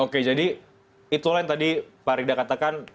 oke jadi itulah yang tadi pak rida katakan